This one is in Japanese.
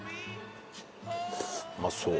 うまそう！